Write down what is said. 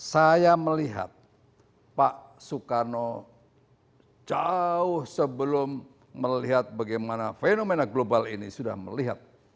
saya melihat pak soekarno jauh sebelum melihat bagaimana fenomena global ini sudah melihat